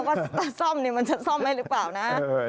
ว่าถ้าซ่อมนี่มันจะซ่อมให้หรือเปล่านะ